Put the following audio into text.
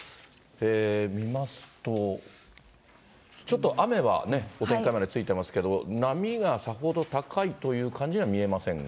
見ますと、ちょっと雨はね、お天気カメラついてますけど、波がさほど高いという感じには見えませんが。